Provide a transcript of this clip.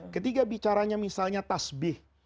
ketiga bicaranya misalnya tasbih